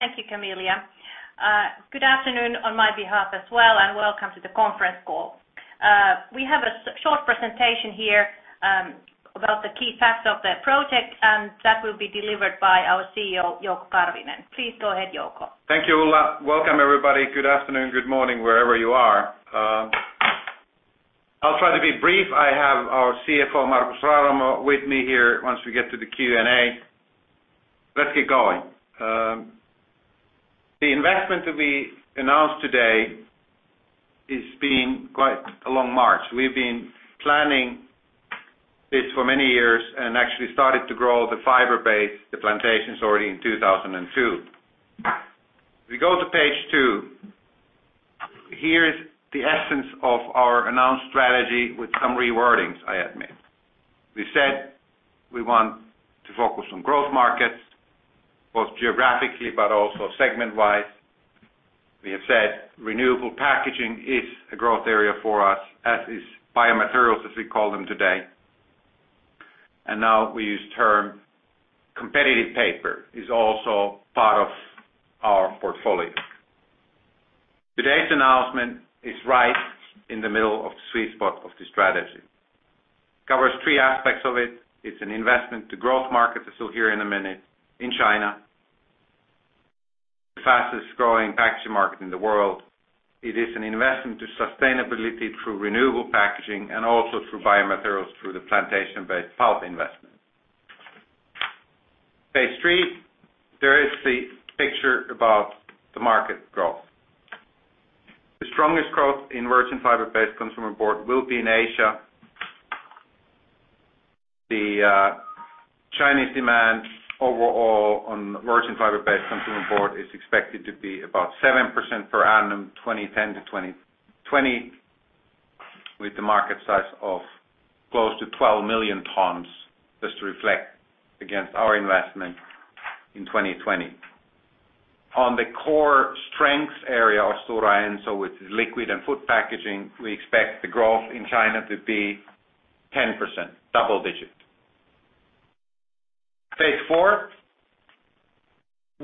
Thank you, Camilla. Good afternoon on my behalf as well, and welcome to the conference call. We have a short presentation here about the key facets of the project, and that will be delivered by our CEO, Jouko Karvinen. Please go ahead, Jouko. Thank you, Ulla. Welcome, everybody. Good afternoon, good morning, wherever you are. I'll try to be brief. I have our CFO, Markus Rauramo, with me here once we get to the Q&A. Let's get going. The investment to be announced today has been quite a long march. We've been planning this for many years and actually started to grow the fiber base, the plantations, already in 2002. If we go to page two, here is the essence of our announced strategy with some rewordings, I admit. We said we want to focus on growth markets, both geographically but also segment-wise. We have said renewable packaging is a growth area for us, as is biomaterials, as we call them today. Now we use the term competitive paper. It's also part of our portfolio. Today's announcement is right in the middle of the sweet spot of the strategy. It covers three aspects of it. It's an investment to growth markets, as you'll hear in a minute, in China, the fastest growing packaging market in the world. It is an investment to sustainability through renewable packaging and also through biomaterials through the plantation-based pulp investment. Page three, there is the picture about the market growth. The strongest growth in virgin fiber-based consumer board will be in Asia. The Chinese demand overall on virgin fiber-based consumer board is expected to be about 7% per annum 2010-2020, with a market size of close to 12 million tons, just to reflect against our investment in 2020. On the core strengths area of Stora Enso, which is liquid and food packaging, we expect the growth in China to be 10%, double-digit. Page four,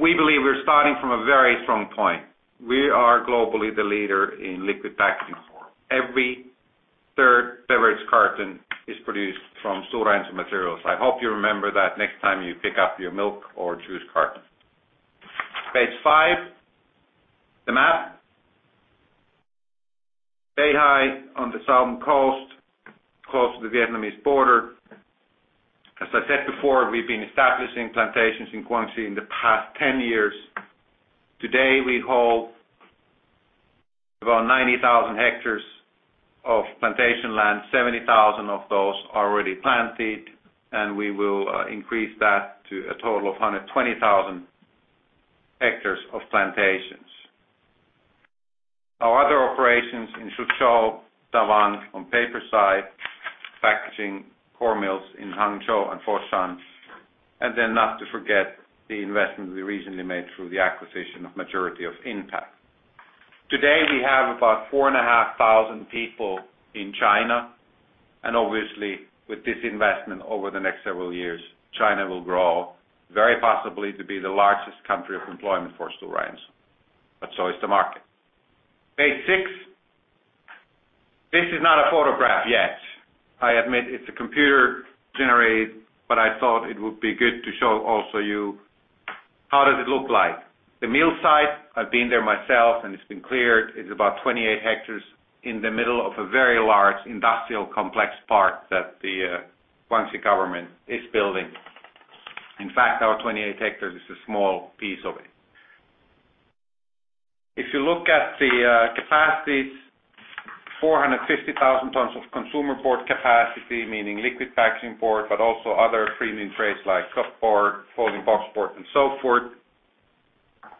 we believe we're starting from a very strong point. We are globally the leader in liquid packaging. Every third beverage carton is produced from Stora Enso materials. I hope you remember that next time you pick up your milk or juice carton. Page five, the map. Day high on the southern coast, close to the Vietnamese border. As I said before, we've been establishing plantations in Guangxi in the past 10 years. Today, we hold about 90,000 hectares of plantation land. 70,000 of those are already planted, and we will increase that to a total of 120,000 hectares of plantations. Our other operations in Suzhou, Daewang, on the paper side, packaging, core mills in Hangzhou and Foshan, and then not to forget the investment we recently made through the acquisition of the majority of Intac. Today, we have about 4,500 people in China, and obviously, with this investment over the next several years, China will grow very possibly to be the largest country of employment for Stora Enso, but so is the market. Page six, this is not a photograph yet. I admit it's computer-generated, but I thought it would be good to show also to you how does it look like. The mill site, I've been there myself, and it's been cleared. It's about 28 hectares in the middle of a very large industrial complex part that the Guangxi government is building. In fact, our 28 hectares is a small piece of it. If you look at the capacities, 450,000 tons of consumer board capacity, meaning liquid packaging board, but also other premium grades like cup board, folding box board, and so forth,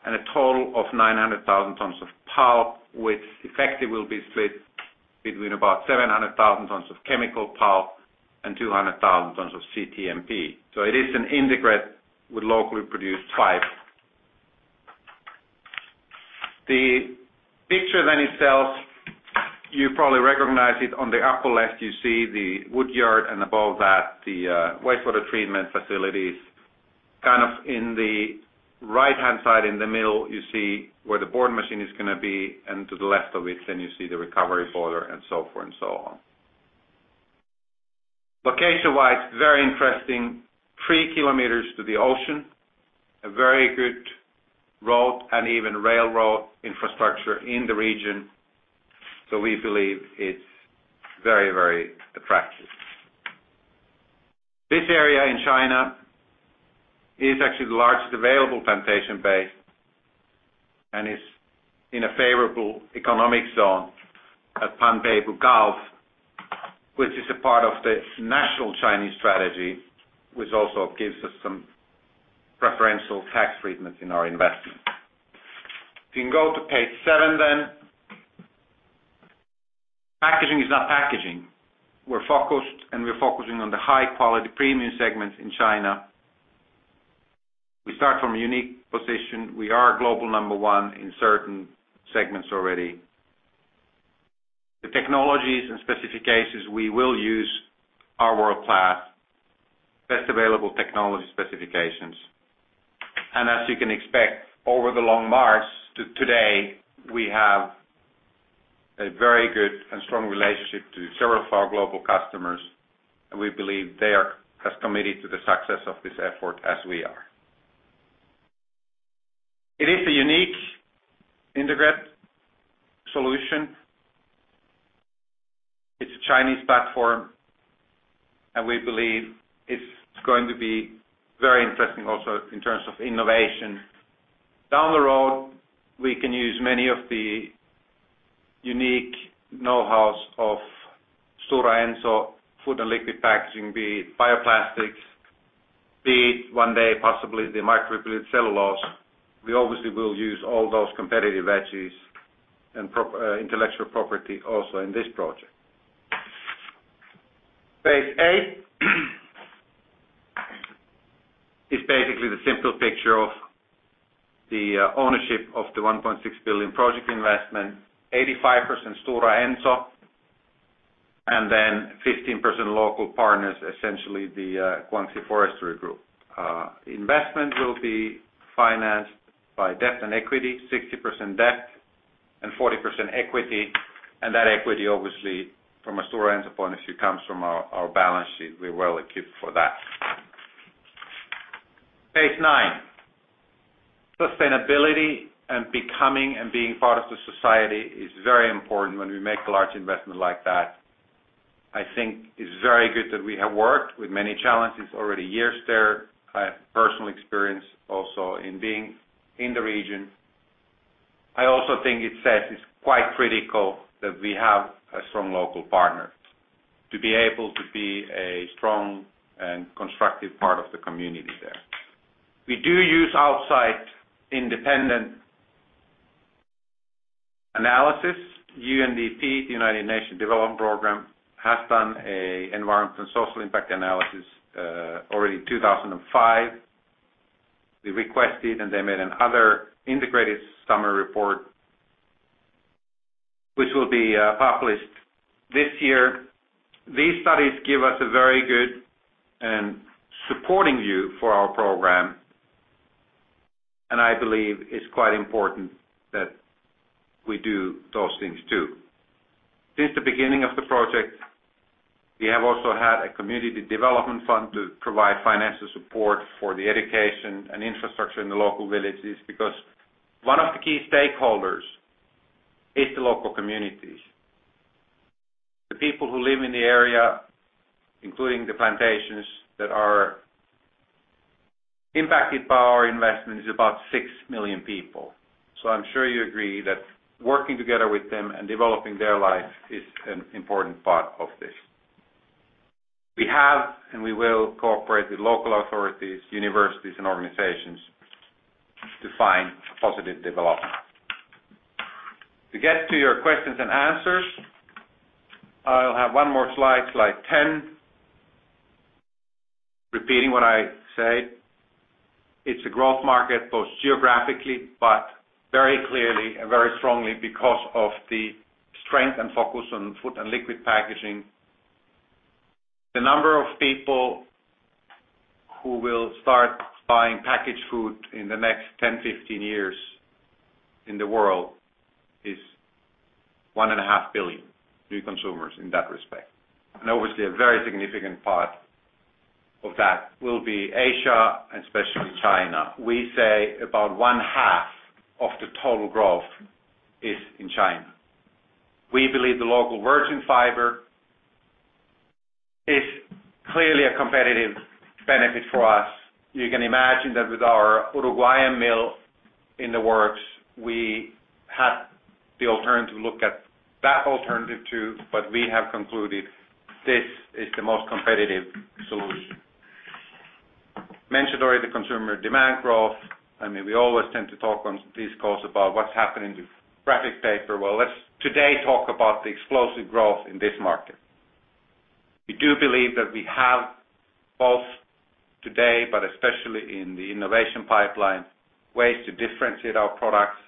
and a total of 900,000 tons of pulp, which effectively will be split between about 700,000 tons of chemical pulp and 200,000 tons of CTMP. It is an integrate with locally produced fibers. The picture then itself, you probably recognize it on the upper left. You see the wood yard, and above that, the wastewater treatment facilities. Kind of in the right-hand side, in the middle, you see where the board machine is going to be, and to the left of it, then you see the recovery boiler and so forth and so on. Location-wise, very interesting, three kilometers to the ocean, a very good road and even railroad infrastructure in the region. We believe it's very, very attractive. This area in China is actually the largest available plantation base and is in a favorable economic zone at Panpeibo Gulf, which is a part of the national Chinese strategy, which also gives us some preferential tax treatments in our investment. If you can go to page seven then, packaging is not packaging. We're focused, and we're focusing on the high-quality premium segments in China. We start from a unique position. We are global number one in certain segments already. The technologies and specifications we will use are world-class, best available technology specifications. As you can expect, over the long march to today, we have a very good and strong relationship to several of our global customers, and we believe they are committed to the success of this effort as we are. It is a unique integrate solution. It's a Chinese platform, and we believe it's going to be very interesting also in terms of innovation. Down the road, we can use many of the unique know-hows of Stora Enso food and liquid packaging, be it bioplastics, be it one day, possibly the microfibrillated cellulose. We obviously will use all those competitive edges and intellectual property also in this project. Phase eight is basically the simple picture of the ownership of the 1.6 billion project investment, 85% Stora Enso, and then 15% local partners, essentially the Guangxi Forestry Group. Investment will be financed by debt and equity, 60% debt and 40% equity, and that equity, obviously, from a Stora Enso point of view, comes from our balance sheet. We're well equipped for that. Page nine, sustainability and becoming and being part of the society is very important when we make a large investment like that. I think it's very good that we have worked with many challenges already years there. I have personal experience also in being in the region. I also think it says it's quite critical that we have a strong local partner to be able to be a strong and constructive part of the community there. We do use outside independent analysis. UNDP, the United Nations Development Programme, has done an environmental and social impact analysis already in 2005. We requested, and they made another integrated summary report, which will be published this year. These studies give us a very good and supporting view for our program, and I believe it's quite important that we do those things too. Since the beginning of the project, we have also had a community development fund to provide financial support for the education and infrastructure in the local villages because one of the key stakeholders is the local communities, the people who live in the area, including the plantations that are impacted by our investment. It's about 6 million people. I'm sure you agree that working together with them and developing their lives is an important part of this. We have, and we will cooperate with local authorities, universities, and organizations to find positive development. To get to your questions and answers, I'll have one more slide, slide 10, repeating what I said. It's a growth market both geographically but very clearly and very strongly because of the strength and focus on food and liquid packaging. The number of people who will start buying packaged food in the next 10, 15 years in the world is one and a half billion new consumers in that respect. Obviously, a very significant part of that will be Asia, and especially China. We say about one half of the total growth is in China. We believe the local virgin fiber is clearly a competitive benefit for us. You can imagine that with our Uruguayan mill in the works, we had the alternative look at that alternative too, but we have concluded that this is the most competitive solution. I mentioned already the consumer demand growth. We always tend to talk on these calls about what's happening to graphic paper. Today, let's talk about the explosive growth in this market. We do believe that we have both today, but especially in the innovation pipeline, ways to differentiate our products,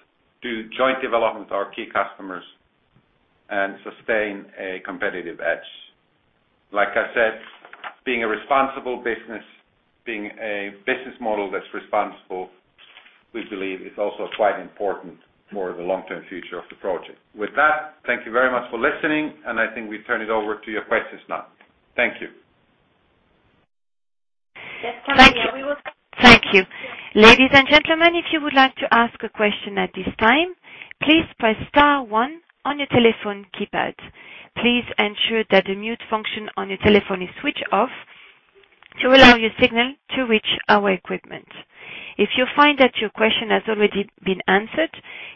do joint development with our key customers, and sustain a competitive edge. Like I said, being a responsible business, being a business model that's responsible, we believe is also quite important for the long-term future of the project. With that, thank you very much for listening, and I think we turn it over to your questions now. Thank you. Yes, Kelly, we will. Thank you. Ladies and gentlemen, if you would like to ask a question at this time, please press star one on your telephone keypad. Please ensure that the mute function on your telephone is switched off to allow your signal to reach our equipment. If you find that your question has already been answered,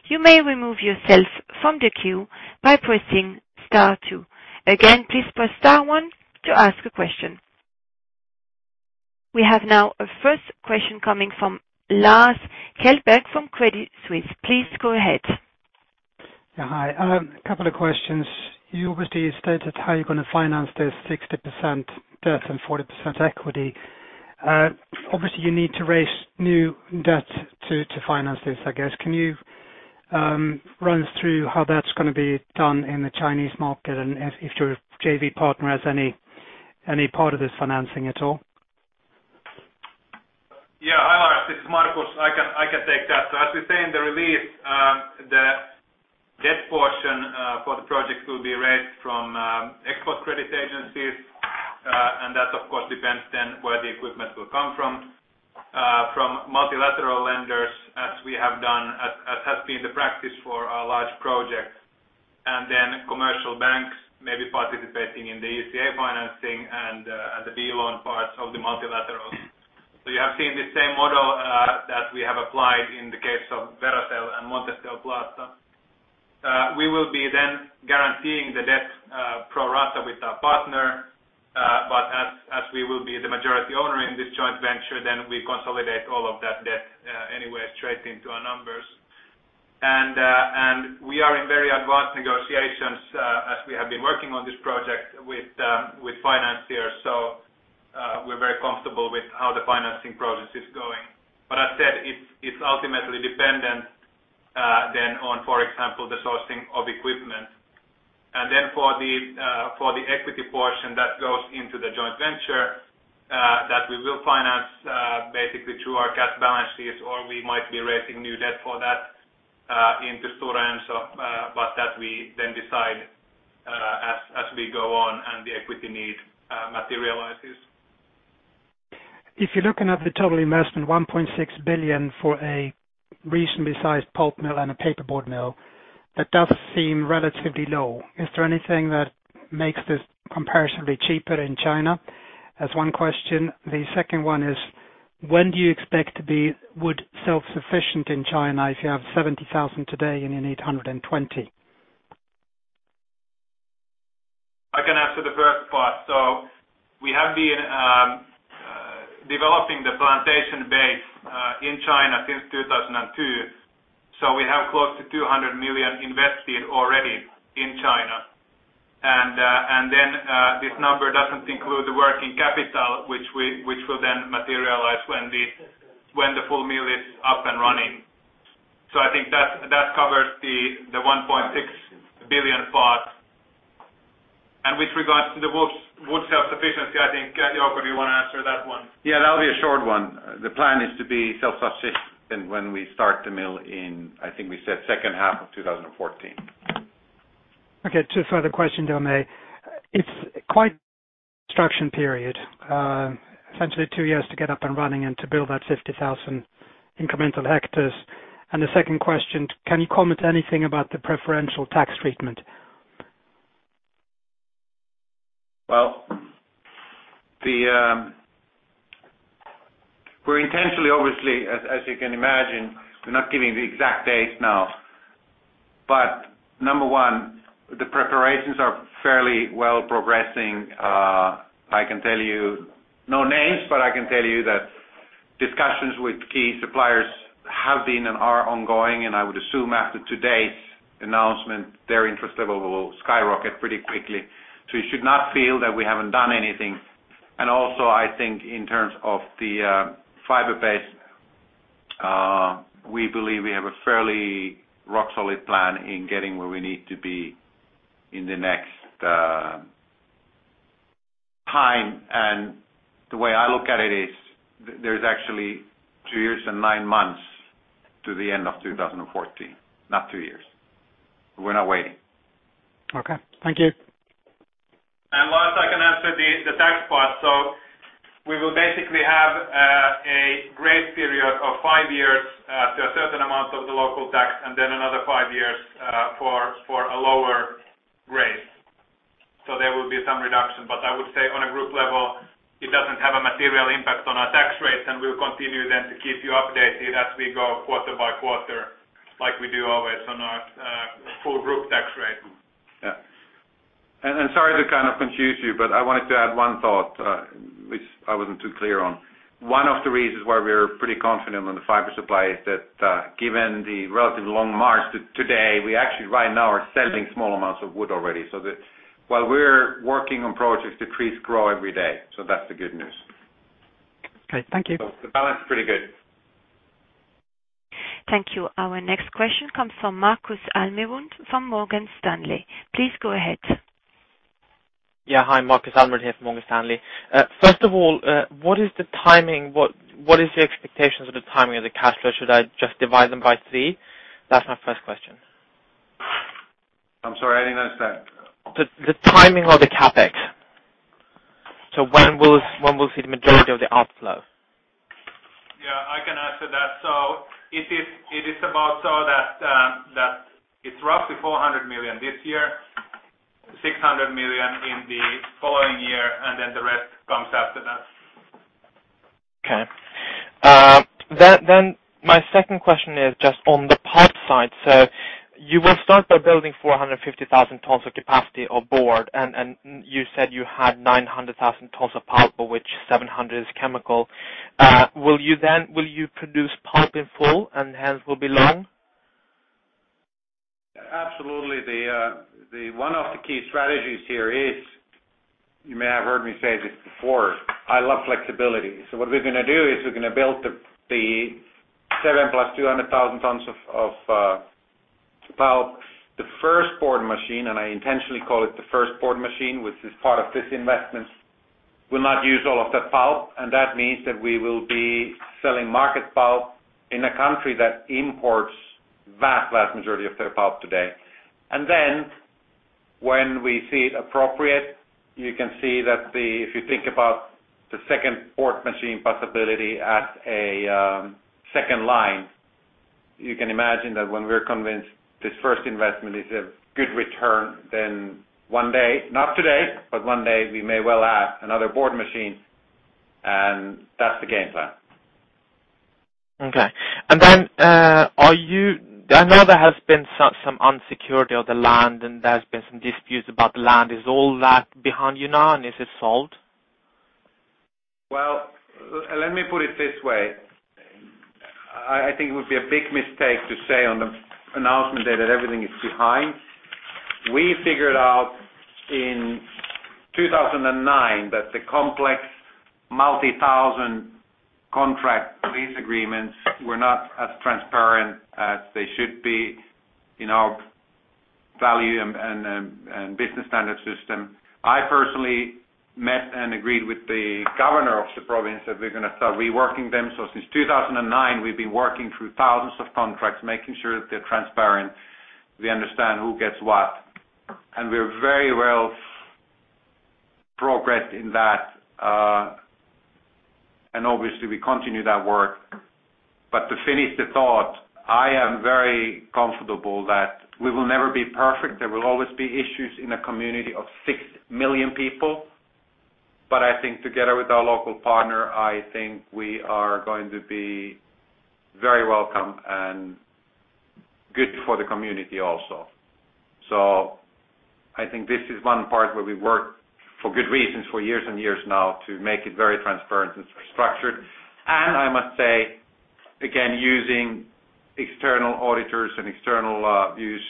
you may remove yourself from the queue by pressing star two. Again, please press star one to ask a question. We have now a first question coming from Lars Kjellberg from Credit Suisse. Please go ahead. Yeah, hi. A couple of questions. You obviously stated how you're going to finance this 60% debt and 40% equity. Obviously, you need to raise new debt to finance this, I guess. Can you run us through how that's going to be done in the Chinese market, and if your JV partner has any part of this financing at all? Yeah. Hi, Lars. This is Markus. I can take that. As we say in the release, the debt portion for the project will be raised from export credit agencies, and that, of course, depends then where the equipment will come from, from multilateral lenders, as we have done, as has been the practice for our large projects, and commercial banks may be participating in the ECA financing and the B loan parts of the multilaterals. You have seen the same model that we have applied in the case of Veracel and Monticello Plaza. We will be then guaranteeing the debt pro rata with our partner, but as we will be the majority owner in this joint venture, we consolidate all of that debt anyway straight into our numbers. We are in very advanced negotiations as we have been working on this project with financiers, so we're very comfortable with how the financing process is going. As I said, it's ultimately dependent then on, for example, the sourcing of equipment. For the equity portion that goes into the joint venture, we will finance basically through our cash balances, or we might be raising new debt for that into Stora Enso, but that we then decide as we go on and the equity need materializes. If you're looking at the total investment, 1.6 billion for a reasonably sized pulp mill and a paper board mill, that does seem relatively low. Is there anything that makes this comparatively cheaper in China? That's one question. The second one is, when do you expect to be self-sufficient in China if you have 70,000 today and you need 120? I can answer the first part. We have been developing the plantation base in China since 2002. We have close to 200 million invested already in China. This number doesn't include the working capital, which will materialize when the full mill is up and running. I think that covers the 1.6 billion part. With regards to the wood self-sufficiency, I think, Jouko, do you want to answer that one? Yeah, that'll be a short one. The plan is to be self-sufficient when we start the mill in, I think we said, second half of 2014. Okay. Just for the question, Domee, it's quite an obstruction period. Essentially, two years to get up and running and to build that 50,000 incremental hectares. The second question, can you comment anything about the preferential tax treatment? We're intentionally, obviously, as you can imagine, not giving the exact dates now. Number one, the preparations are fairly well progressing. I can tell you no names, but I can tell you that discussions with key suppliers have been and are ongoing. I would assume after today's announcement, their interest level will skyrocket pretty quickly. You should not feel that we haven't done anything. Also, I think in terms of the fiber base, we believe we have a fairly rock-solid plan in getting where we need to be in the next time. The way I look at it is there's actually two years and nine months to the end of 2014, not two years. We're not waiting. Okay, thank you. I can answer the tax part. We will basically have a grace period of five years to a certain amount of the local tax, and then another five years for a lower grace. There will be some reduction. I would say on a group level, it doesn't have a material impact on our tax rates, and we'll continue to keep you updated as we go quarter by quarter like we do always on our full group tax rate. Sorry to kind of confuse you, but I wanted to add one thought, which I wasn't too clear on. One of the reasons why we're pretty confident on the fiber supply is that given the relatively long march to today, we actually right now are selling small amounts of wood already. While we're working on projects, the trees grow every day. That's the good news. Okay, thank you. The balance is pretty good. Thank you. Our next question comes from Markus Almerud from Morgan Stanley. Please go ahead. Yeah. Hi, Markus Almerud here from Morgan Stanley. First of all, what is the timing? What is the expectations of the timing of the CAPEX? Should I just divide them by three? That's my first question. I'm sorry. I didn't understand. The timing of the CAPEX. When will we see the majority of the outflow? I can answer that. It is about 400 million this year, 600 million in the following year, and then the rest comes after that. Okay. My second question is just on the pipe side. You will start by building 450,000 tons of capacity of board, and you said you had 900,000 tons of pulp, of which 700 is chemical. Will you then produce pulp in full and hence will be long? Absolutely. One of the key strategies here is, you may have heard me say this before, I love flexibility. What we're going to do is we're going to build the 7 plus 200,000 tons of pulp. The first board machine, and I intentionally call it the first board machine, which is part of this investment, will not use all of that pulp. That means we will be selling market pulp in a country that imports the vast majority of their pulp today. When we see it appropriate, you can see that if you think about the second board machine possibility as a second line, you can imagine that when we're convinced this first investment is a good return, one day, not today, but one day, we may well add another board machine, and that's the game plan. Okay. I know there has been some unsecurity of the land and there's been some disputes about the land. Is all that behind you now and is it solved? I think it would be a big mistake to say on the announcement day that everything is behind. We figured out in 2009 that the complex multi-thousand contract lease agreements were not as transparent as they should be in our value and business standard system. I personally met and agreed with the governor of the province that we're going to start reworking them. Since 2009, we've been working through thousands of contracts, making sure that they're transparent. We understand who gets what, and we're very well progressed in that. Obviously, we continue that work. To finish the thought, I am very comfortable that we will never be perfect. There will always be issues in a community of 6 million people. I think together with our local partner, we are going to be very welcome and good for the community also. I think this is one part where we work for good reasons for years and years now to make it very transparent and structured. I must say, again, using external auditors and external views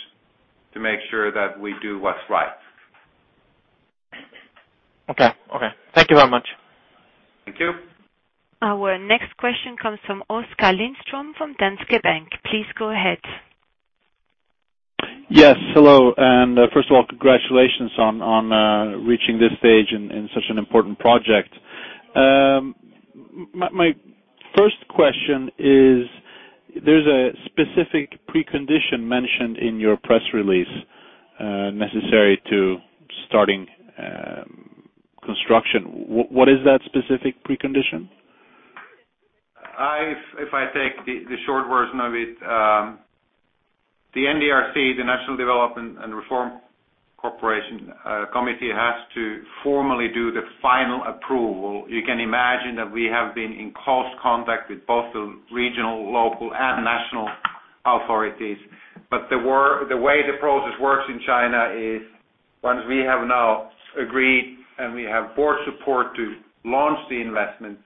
to make sure that we do what's right. Okay. Thank you very much. Thank you. Our next question comes from Oskar Lindström from Danske Bank. Please go ahead. Yes, hello. First of all, congratulations on reaching this stage in such an important project. My first question is, there's a specific precondition mentioned in your press release necessary to starting construction. What is that specific precondition? If I take the short version of it, the NDRC, the National Development and Reform Commission, has to formally do the final approval. You can imagine that we have been in close contact with both the regional, local, and national authorities. The way the process works in China is once we have now agreed and we have board support to launch the investment,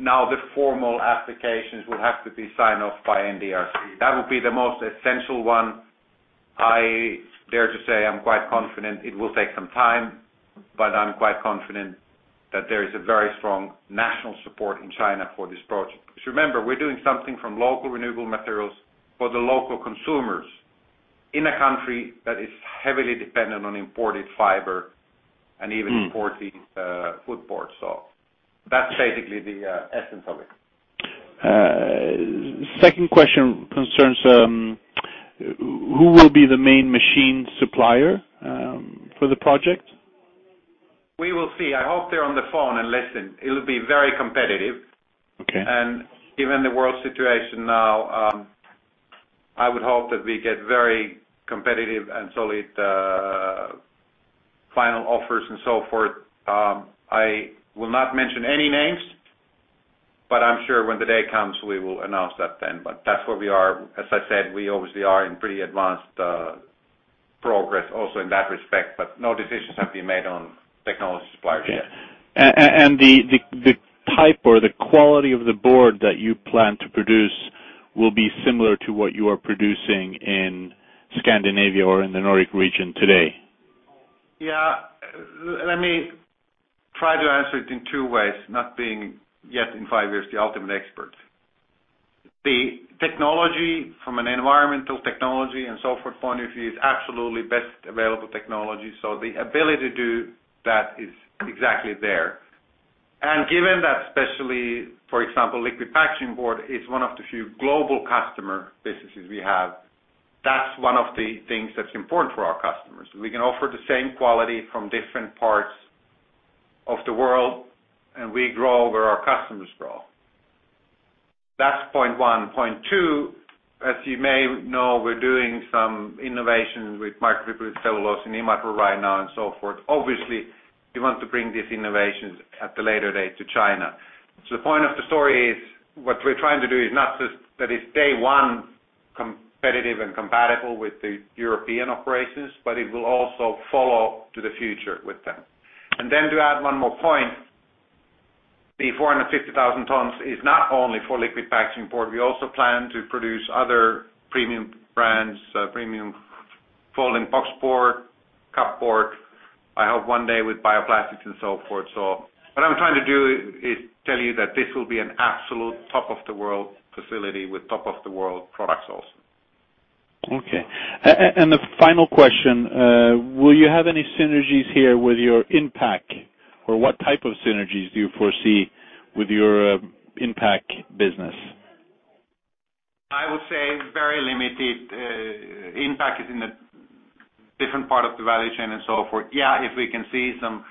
now the formal applications will have to be signed off by NDRC. That will be the most essential one. I dare to say I'm quite confident it will take some time, but I'm quite confident that there is a very strong national support in China for this project. Remember, we're doing something from local renewable materials for the local consumers in a country that is heavily dependent on imported fiber and even imported food boards. That's basically the essence of it. Second question concerns who will be the main machine supplier for the project. We will see. I hope they're on the phone and listen. It'll be very competitive. Okay. Given the world situation now, I would hope that we get very competitive and solid final offers and so forth. I will not mention any names, but I'm sure when the day comes, we will announce that then. That's where we are. As I said, we obviously are in pretty advanced progress also in that respect, but no decisions have been made on technology suppliers yet. The type or the quality of the board that you plan to produce will be similar to what you are producing in Scandinavia or in the Nordic region today. Yeah. Let me try to answer it in two ways, not being yet in five years the ultimate expert. The technology from an environmental technology and so forth point of view is absolutely best available technology. The ability to do that is exactly there. Given that, especially, for example, liquid packaging board is one of the few global customer businesses we have, that's one of the things that's important for our customers. We can offer the same quality from different parts of the world, and we grow where our customers grow. That's point one. Point two, as you may know, we're doing some innovations with microfibrillated cellulose in Imatra right now and so forth. Obviously, we want to bring these innovations at a later date to China. The point of the story is what we're trying to do is not just that it's day one competitive and compatible with the European operations, but it will also follow to the future with them. To add one more point, the 450,000 tons is not only for liquid packaging board. We also plan to produce other premium brands, premium folding box board, cupboard. I hope one day with bioplastics and so forth. What I'm trying to do is tell you that this will be an absolute top-of-the-world facility with top-of-the-world products also. Okay. The final question, will you have any synergies here with your Intact, or what type of synergies do you foresee with your Intact business? I would say very limited. Intact is in a different part of the value chain and so forth. Yeah, if we can see some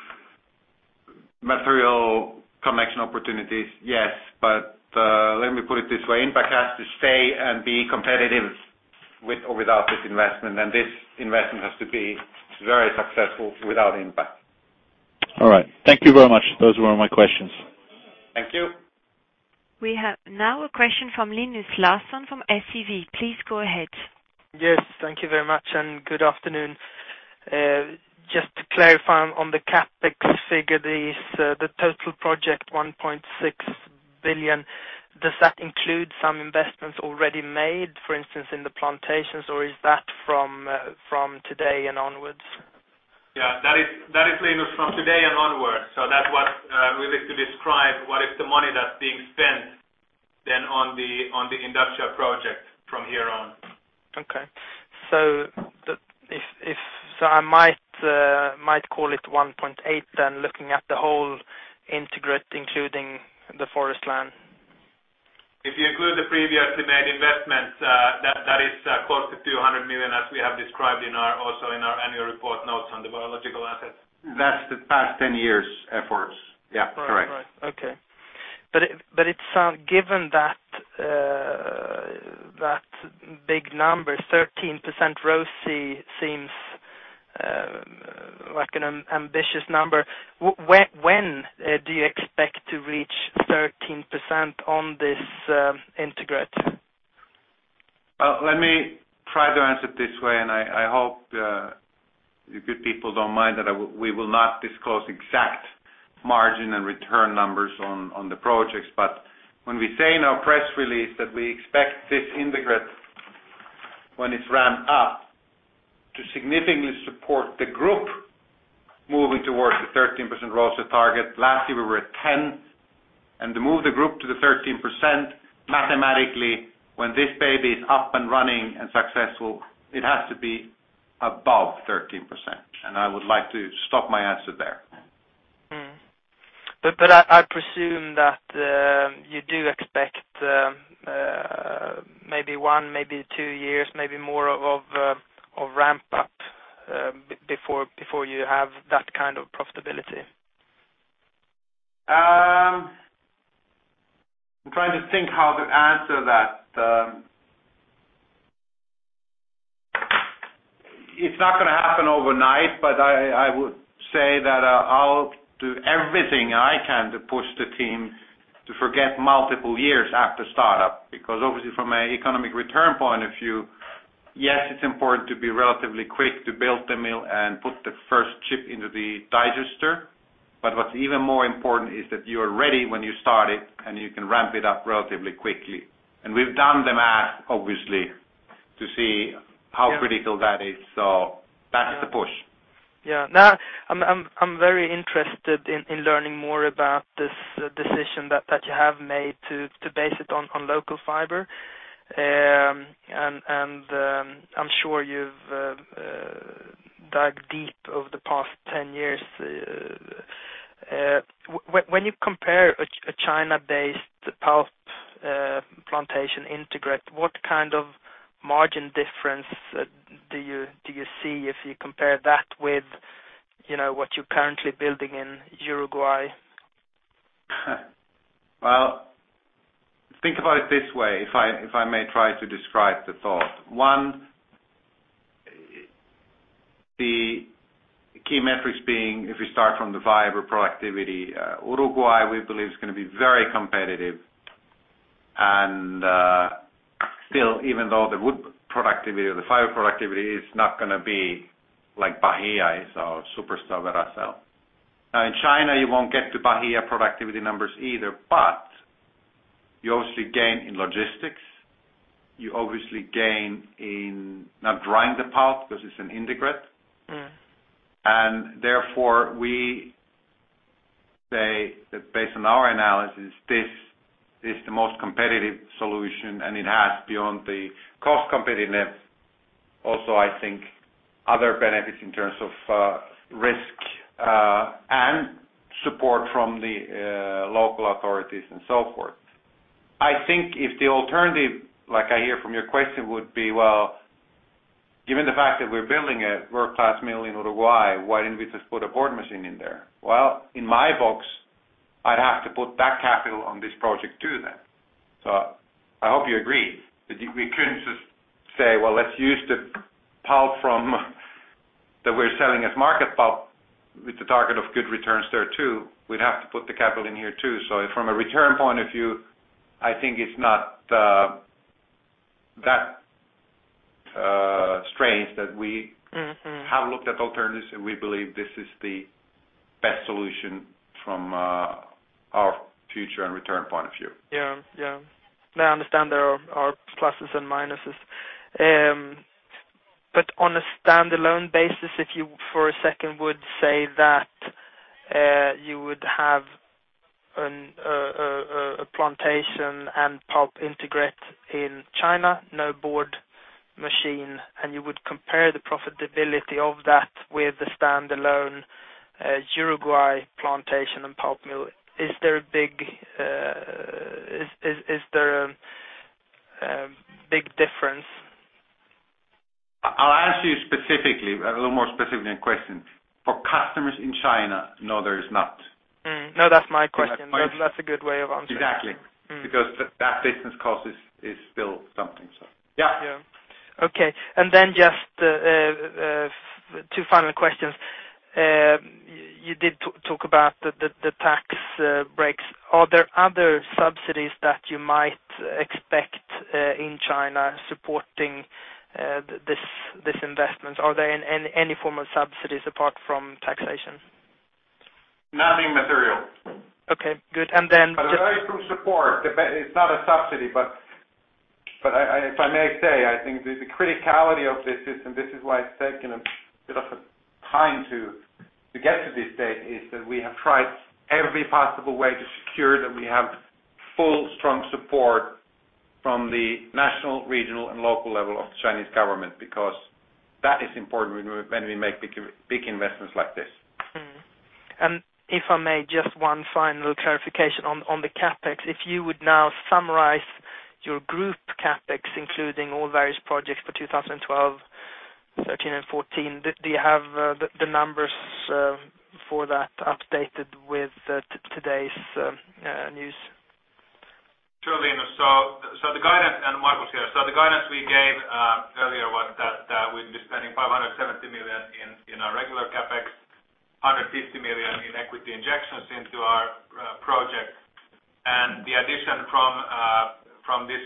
material connection opportunities, yes. Let me put it this way. Intact has to stay and be competitive with or without this investment. This investment has to be very successful without Intact. All right. Thank you very much. Those were my questions. Thank you. We have now a question from Linus Larsson from SEB. Please go ahead. Yes. Thank you very much, and good afternoon. Just to clarify on the CAPEX figure, the total project 1.6 billion, does that include some investments already made, for instance, in the plantations, or is that from today and onwards? Yeah, that is Linus, from today and onwards. That's what we like to describe. What is the money that's being spent then on the industrial project from here on? Okay. If I might call it 1.8 billion, then looking at the whole integrate, including the forest land? If you include the previously made investments, that is close to 200 million, as we have described in our annual report notes on the biological assets. Invested past 10 years' efforts. Yeah, correct, right. Okay. It sounds, given that big number, 13% ROC seems like an ambitious number. When do you expect to reach 13% on this integrate? Let me try to answer it this way, and I hope the good people don't mind that we will not disclose exact margin and return numbers on the projects. When we say in our press release that we expect this integrate, when it's ramped up, to significantly support the group moving towards the 13% ROC target, last year we were at 10%. To move the group to the 13%, mathematically, when this baby is up and running and successful, it has to be above 13%. I would like to stop my answer there. I presume that you do expect maybe one, maybe two years, maybe more of a ramp-up before you have that kind of profitability. I'm trying to think how to answer that. It's not going to happen overnight, but I would say that I'll do everything I can to push the team to forget multiple years after startup because obviously, from an economic return point of view, yes, it's important to be relatively quick to build the mill and put the first chip into the digester. What's even more important is that you are ready when you start it and you can ramp it up relatively quickly. We've done the math, obviously, to see how critical that is. That's the push. Yeah. Now, I'm very interested in learning more about this decision that you have made to base it on local fiber. I'm sure you've dug deep over the past 10 years. When you compare a China-based pulp plantation integrate, what kind of margin difference do you see if you compare that with what you're currently building in Uruguay? Think about it this way, if I may try to describe the thought. One, the key metrics being, if we start from the fiber productivity, Uruguay, we believe, is going to be very competitive. Still, even though the wood productivity or the fiber productivity is not going to be like Bahia is or Superstar Veracel. In China, you won't get to Bahia productivity numbers either, but you obviously gain in logistics. You obviously gain in not drying the pulp because it's an integrate. Therefore, we say that based on our analysis, this is the most competitive solution, and it has beyond the cost competitiveness, also, I think, other benefits in terms of risk and support from the local authorities and so forth. I think if the alternative, like I hear from your question, would be, given the fact that we're building a world-class mill in Uruguay, why didn't we just put a board machine in there? In my box, I'd have to put that capital on this project too, then. I hope you agree that we couldn't just say, let's use the pulp that we're selling as market pulp with the target of good returns there too. We'd have to put the capital in here too. From a return point of view, I think it's not that strange that we have looked at alternatives and we believe this is the best solution from our future and return point of view. Yeah, I understand there are pluses and minuses. On a standalone basis, if you for a second would say that you would have a plantation and pulp integrate in China, no board machine, and you would compare the profitability of that with the standalone Uruguay plantation and pulp mill, is there a big difference? I'll ask you a little more specifically, a question. For customers in China, no, there is not. No, that's my question. That's a good way of answering. Exactly, because that business cost is still something, so yeah. Okay. Just two final questions. You did talk about the tax breaks. Are there other subsidies that you might expect in China supporting these investments? Are there any formal subsidies apart from taxation? Nothing material. Okay. Good. Then. There is some support. It's not a subsidy, but if I may say, I think the criticality of this is, and this is why it's taken a bit of time to get to this state, that we have tried every possible way to secure that we have full strong support from the national, regional, and local level of the Chinese government because that is important when we make big investments like this. If I may, just one final clarification on the CAPEX. If you would now summarize your group CAPEX, including all various projects for 2012, 2013, and 2014, do you have the numbers for that updated with today's news? Sure, Linus. The guidance, and Markus here, the guidance we gave earlier was that we'd be spending 570 million in our regular CAPEX, 150 million in equity injections into our project. The addition from this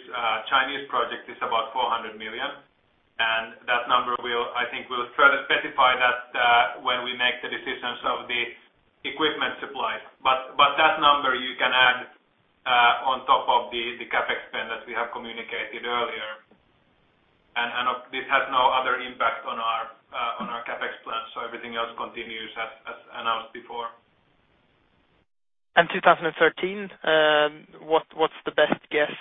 Chinese project is about 400 million. That number, I think, we will further specify when we make the decisions of the equipment supplies. That number you can add on top of the CAPEX spend that we have communicated earlier. This has no other impact on our CAPEX plan. Everything else continues as announced before. What’s the best guess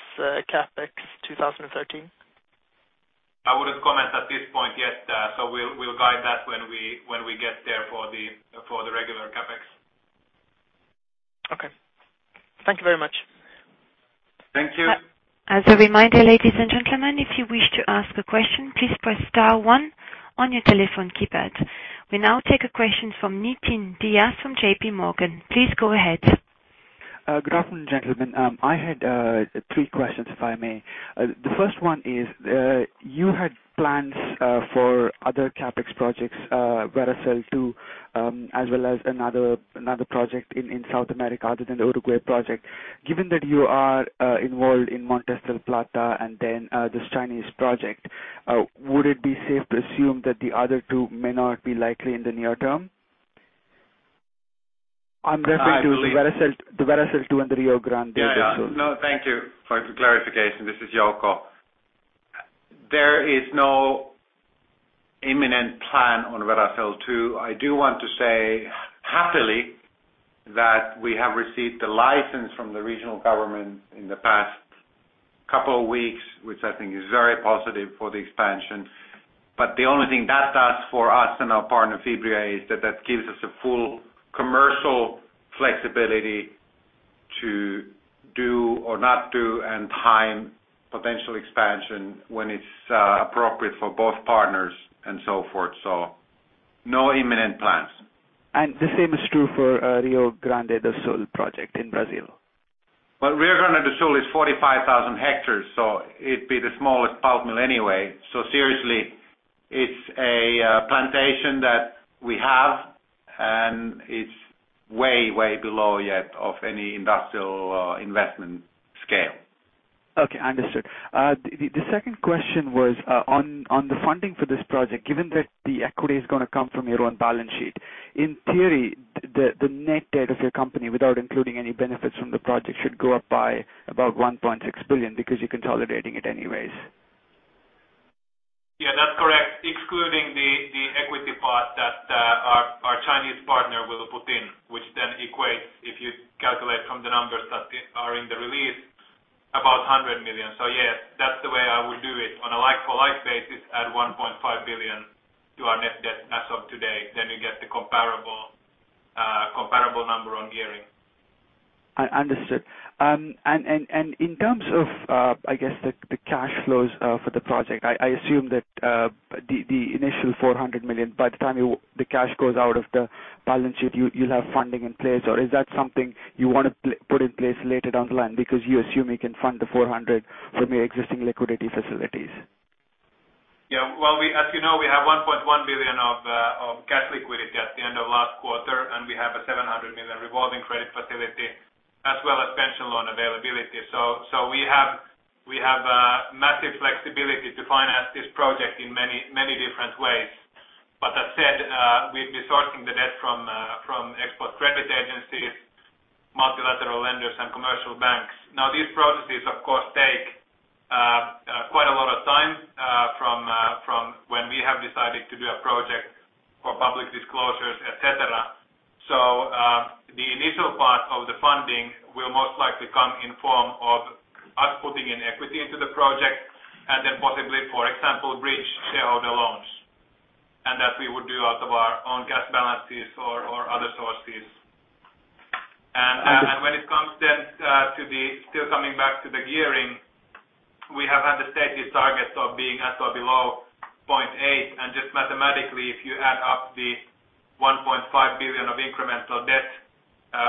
CAPEX for 2013? I wouldn't comment at this point yet. We'll guide that when we get there for the regular CAPEX. Okay, thank you very much. Thank you. As a reminder, ladies and gentlemen, if you wish to ask a question, please press star one on your telephone keypad. We now take a question from Nitin Dias from J.P. Morgan. Please go ahead. Good afternoon, gentlemen. I had three questions, if I may. The first one is, you had plans for other CAPEX projects, Veracel II, as well as another project in South America other than the Uruguay project. Given that you are involved in Monticello Plaza and then this Chinese project, would it be safe to assume that the other two may not be likely in the near term? I'm referring to the Veracel II and the Rio Grande also. Yeah. No, thank you for the clarification. This is Jouko. There is no imminent plan on Veracel II. I do want to say happily that we have received the license from the regional government in the past couple of weeks, which I think is very positive for the expansion. The only thing that does for us and our partner, Febria, is that gives us full commercial flexibility to do or not do and time potential expansion when it's appropriate for both partners and so forth. No imminent plans. The same is true for the Rio Grande do Sul project in Brazil. Rio Grande do Sul is 45,000 hectares, so it'd be the smallest pulp mill anyway. Seriously, it's a plantation that we have, and it's way, way below yet of any industrial investment scale. Okay. Understood. The second question was on the funding for this project. Given that the equity is going to come from your own balance sheet, in theory, the net debt of your company, without including any benefits from the project, should go up by about 1.6 billion because you're consolidating it anyways. Yeah, that's correct, excluding the equity part that our Chinese partner will put in, which then equates, if you calculate from the numbers that are in the release, about 100 million. That's the way I would do it on a like-for-like basis at 1.5 billion to our net debt as of today. You get the comparable number on gearing. Understood. In terms of, I guess, the cash flows for the project, I assume that the initial 400 million, by the time the cash goes out of the balance sheet, you'll have funding in place. Is that something you want to put in place later down the line because you assume you can fund the 400 million from your existing liquidity facilities? As you know, we have 1.1 million of cash liquidity at the end of last quarter, and we have a 700 million revolving credit facility as well as pension loan availability. We have massive flexibility to finance this project in many, many different ways. As said, we've been sourcing the debt from export credit agencies, multilateral lenders, and commercial banks. These processes, of course, take quite a lot of time from when we have decided to do a project for public disclosures, etc. The initial part of the funding will most likely come in the form of outputting in equity into the project, and then possibly, for example, bridge shareholder loans. That we would do out of our own cash balances or other sources. When it comes to the gearing, we have had the stated target of being at or below 0.8. Just mathematically, if you add up the 1.5 billion of incremental debt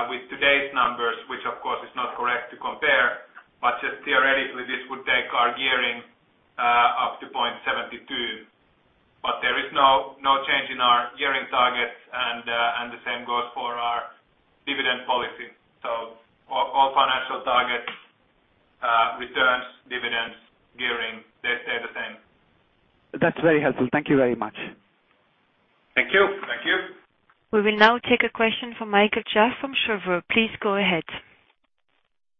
with today's numbers, which of course is not correct to compare, but just theoretically, this would take our gearing up to 0.72. There is no change in our gearing targets, and the same goes for our dividend policy. All financial targets, returns, dividends, gearing, they stay the same. That's very helpful. Thank you very much. Thank you. Thank you. We will now take a question from Michael Schacht from Cheuvreux. Please go ahead.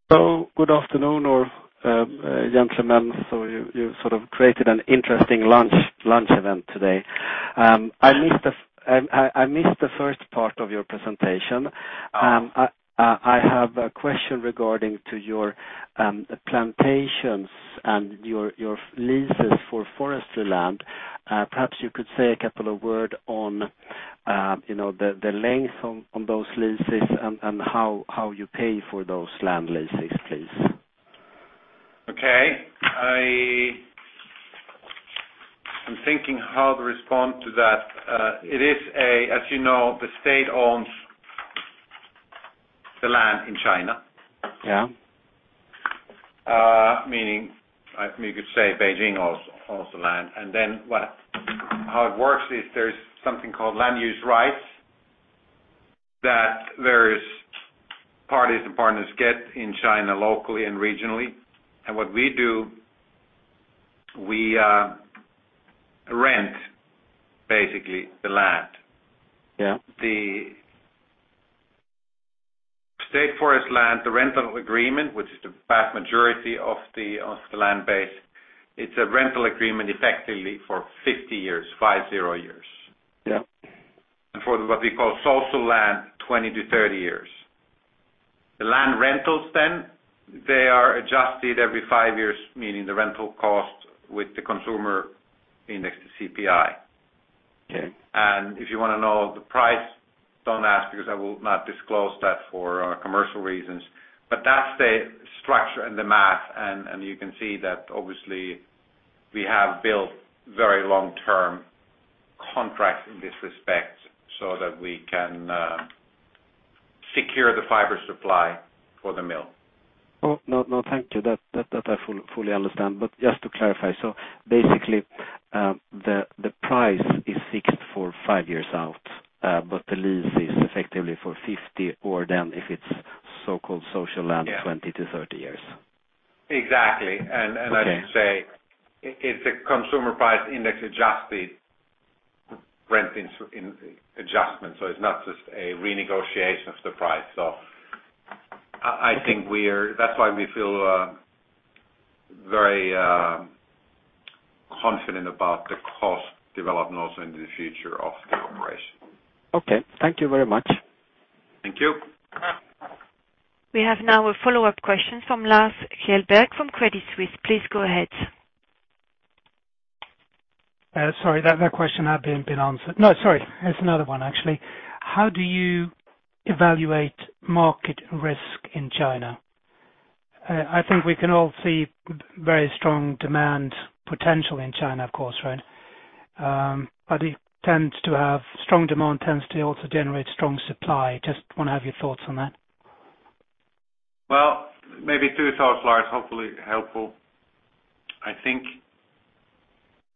Good afternoon, gentlemen. You sort of created an interesting lunch event today. I missed the first part of your presentation. I have a question regarding your plantations and your leases for forestry land. Perhaps you could say a couple of words on the length of those leases and how you pay for those land leases, please. Okay. I'm thinking how to respond to that. As you know, the state owns the land in China. Yeah. Meaning you could say Beijing owns the land. What happens is there's something called land use rights that various parties and partners get in China locally and regionally. What we do, we rent, basically, the land. Yeah. The state forest land, the rental agreement, which is the vast majority of the land base, it's a rental agreement effectively for 50 years, 5-0 years. Yeah. For what we call social land, 20-30 years. The land rentals are adjusted every five years, meaning the rental cost with the consumer price index to CPI. Okay. If you want to know the price, don't ask because I will not disclose that for commercial reasons. That is the structure and the math. You can see that, obviously, we have built very long-term contracts in this respect so that we can secure the fiber supply for the mill. No, thank you. That I fully understand. Just to clarify, the price is fixed for five years out, but the lease is effectively for 50, or if it's so-called social land, 20-30 years. Exactly. I should say it's a consumer price index adjusted rent in adjustment. It's not just a renegotiation of the price. I think we are that's why we feel very confident about the cost development also into the future of the operation. Okay, thank you very much. Thank you. We have now a follow-up question from Lars F. Kjellberg from Barclays Bank PLC. Please go ahead. Sorry, that question had been answered. No, sorry. Here's another one, actually. How do you evaluate market risk in China? I think we can all see very strong demand potential in China, of course, right? It tends to have strong demand, tends to also generate strong supply. Just want to have your thoughts on that. Maybe two thoughts, Lars. Hopefully, helpful. I think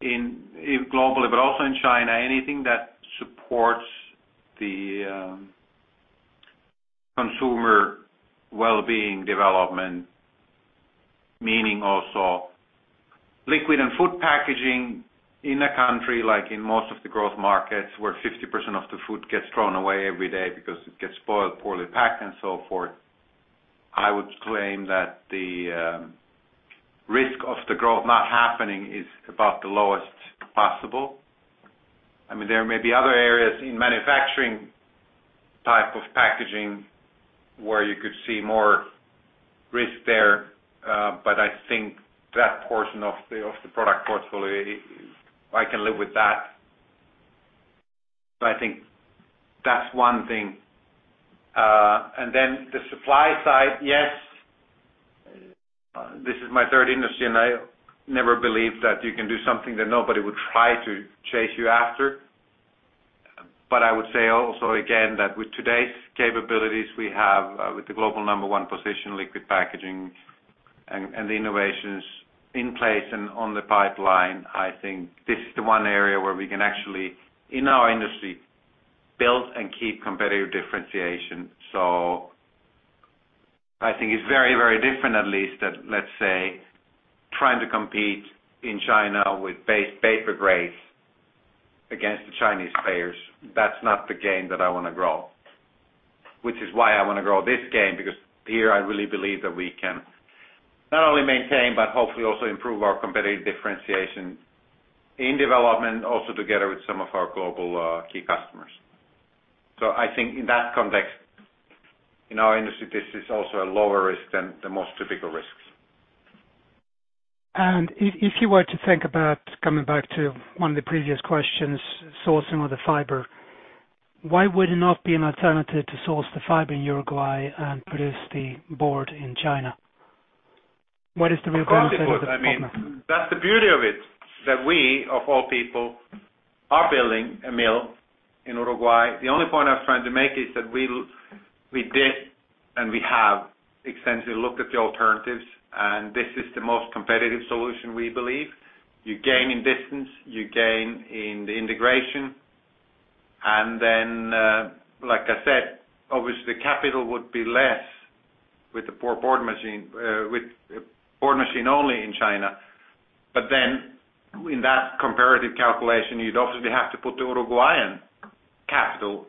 globally, but also in China, anything that supports the consumer well-being development, meaning also liquid and food packaging in a country, like in most of the growth markets, where 50% of the food gets thrown away every day because it gets spoiled, poorly packed, and so forth. I would claim that the risk of the growth not happening is about the lowest possible. There may be other areas in manufacturing type of packaging where you could see more risk there, but I think that portion of the product portfolio is I can live with that. I think that's one thing. On the supply side, yes, this is my third industry, and I never believed that you can do something that nobody would try to chase you after. I would say also, again, that with today's capabilities we have with the global number one position, liquid packaging, and the innovations in place and on the pipeline, I think this is the one area where we can actually, in our industry, build and keep competitive differentiation. I think it's very, very different, at least, that let's say trying to compete in China with better grades against the Chinese players, that's not the game that I want to grow, which is why I want to grow this game because here I really believe that we can not only maintain, but hopefully also improve our competitive differentiation in development, also together with some of our global key customers. I think in that context, in our industry, this is also a lower risk than the most typical risks. If you were to think about coming back to one of the previous questions, sourcing of the fiber, why would it not be an alternative to source the fiber in Uruguay and produce the board in China? What is the real benefit of that? That's the beauty of it, that we, of all people, are building a mill in Uruguay. The only point I'm trying to make is that we did, and we have extensively looked at the alternatives, and this is the most competitive solution we believe. You gain in distance, you gain in the integration. Like I said, obviously, the capital would be less with the board machine, with a board machine only in China. In that comparative calculation, you'd obviously have to put the Uruguayan capital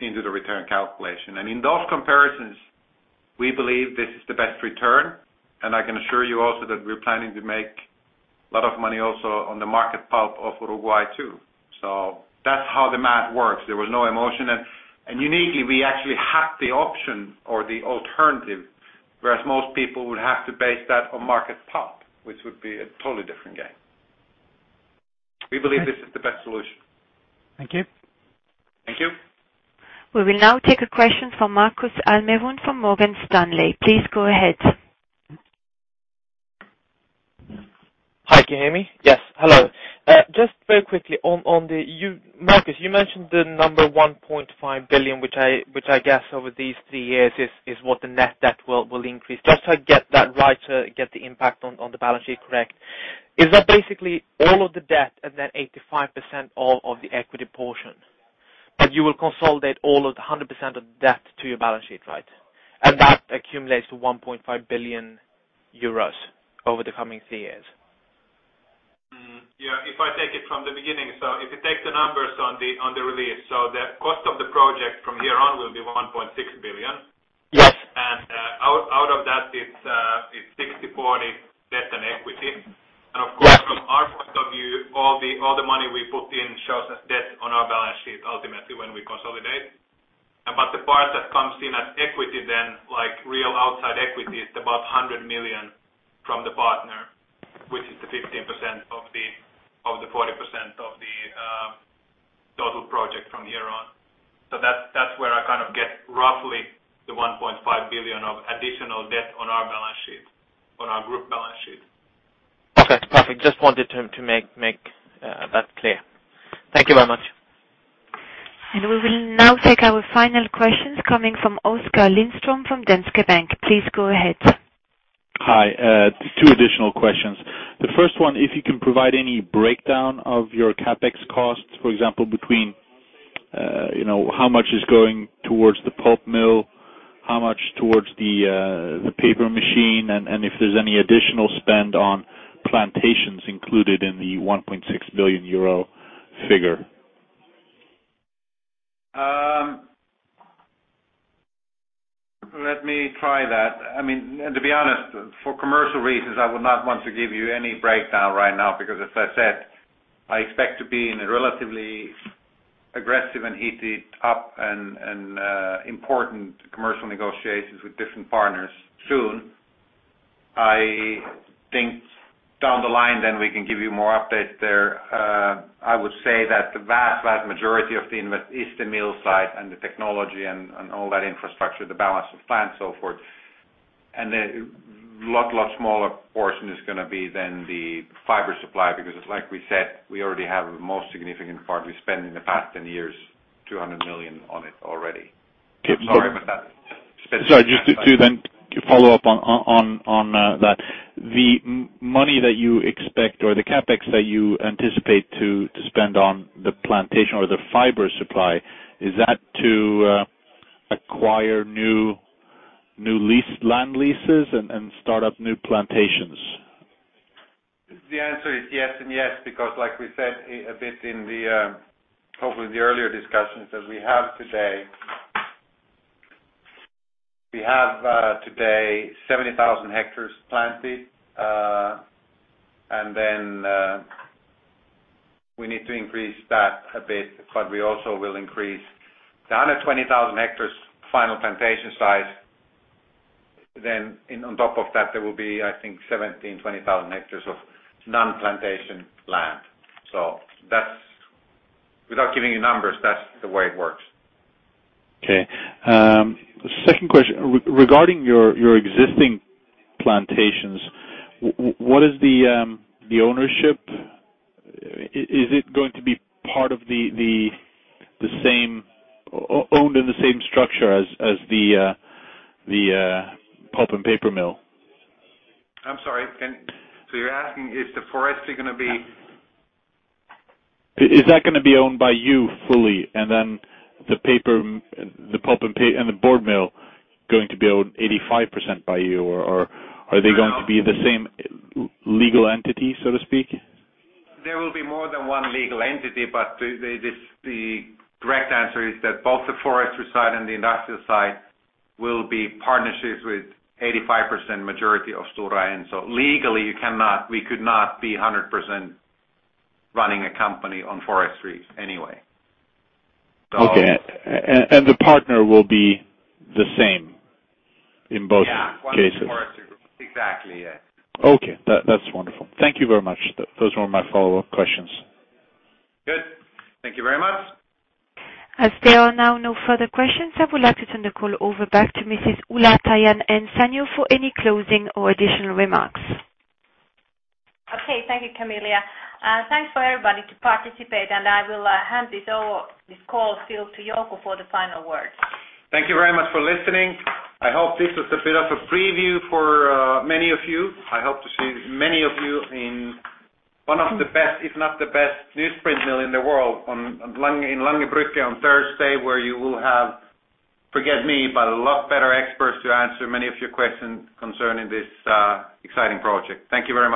into the return calculation. In those comparisons, we believe this is the best return. I can assure you also that we're planning to make a lot of money also on the market pulp of Uruguay too. That's how the math works. There was no emotion. Uniquely, we actually had the option or the alternative, whereas most people would have to base that on market pulp, which would be a totally different game. We believe this is the best solution. Thank you. Thank you. We will now take a question from Markus Almerud from Morgan Stanley. Please go ahead. Hi, Jamie. Yes. Hello. Just very quickly, Markus, you mentioned the number 1.5 billion, which I guess over these three years is what the net debt will increase. Just to get that right, to get the impact on the balance sheet correct, is that basically all of the debt and then 85% of the equity portion? You will consolidate all of the 100% of the debt to your balance sheet, right? That accumulates to 1.5 billion euros over the coming three years. Yeah. If I take it from the beginning, if you take the numbers on the release, the cost of the project from here on will be 1.6 billion. Yes. Out of that, it's 60/40 debt and equity. Of course, from our point of view, all the money we put in shows as debt on our balance sheet ultimately when we consolidate. The part that comes in as equity, then, like real outside equity, is about 100 million from the partner, which is the 15% of the 40% of the total project from here on. That's where I kind of get roughly the 1.5 billion of additional debt on our balance sheet, on our group balance sheet. Okay. Perfect. Just wanted to make that clear. Thank you very much. We will now take our final questions coming from Oskar Lindström from Danske Bank. Please go ahead. Hi. Two additional questions. The first one, if you can provide any breakdown of your CAPEX costs, for example, between how much is going towards the pulp mill, how much towards the paper machine, and if there's any additional spend on plantations included in the 1.6 billion euro figure. Let me try that. To be honest, for commercial reasons, I would not want to give you any breakdown right now because, as I said, I expect to be in a relatively aggressive and heated up and important commercial negotiations with different partners soon. I think down the line, we can give you more updates there. I would say that the vast, vast majority of the investment is the mill side and the technology and all that infrastructure, the balance of plants and so forth. A lot, lot smaller portion is going to be the fiber supply because, like we said, we already have the most significant part. We spent in the past 10 years, 200 million on it already. Sorry about that. Sorry. Just to then follow up on that, the money that you expect or the CAPEX that you anticipate to spend on the plantation or the fiber supply, is that to acquire new land leases and start up new plantations? Yeah. It's yes and yes because, like we said a bit in probably the earlier discussions that we have today, we have today 70,000 hectares planted. We need to increase that a bit, but we also will increase the 120,000 hectares final plantation size. On top of that, there will be, I think, 17,000-20,000 hectares of non-plantation land. That's without giving you numbers, that's the way it works. Okay. Second question. Regarding your existing plantations, what is the ownership? Is it going to be part of the same owned in the same structure as the pulp and paper mill? I'm sorry. You're asking if the forestry is going to be. Is that going to be owned by you fully, and then the pulp and paper and the board mill going to be owned 85% by you, or are they going to be the same legal entities, so to speak? There will be more than one legal entity, but the correct answer is that both the forestry side and the industrial side will be partnerships with 85% majority of Stora Enso. Legally, we could not be 100% running a company on forestry anyway. Okay. The partner will be the same in both cases. Yeah, one is Guangxi Forestry Group. Exactly, yeah. Okay. That's wonderful. Thank you very much. Those were my follow-up questions. Good. Thank you very much. As there are now no further questions, I would like to turn the call over back to Mrs. Ulla Paajanen-Sainio for any closing or additional remarks. Okay. Thank you, Camilla. Thank you, everybody, for participating. I will hand this call still to Jouko for the final words. Thank you very much for listening. I hope this was a bit of a preview for many of you. I hope to see many of you in one of the best, if not the best, newsprint mill in the world in Lange Brücke on Thursday, where you will have, forgive me, but a lot better experts to answer many of your questions concerning this exciting project. Thank you very much.